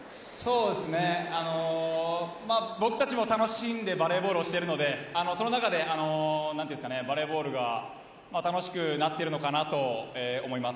僕たちも楽しんでバレーボールをしているのでその中でバレーボールが楽しくなっているのかなと思います。